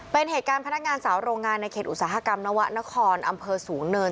เป็นเหตุการณ์พนักงานสาวโรงงานในเขตอุตสาหกรรมนวะนครอำเภอสูงเนิน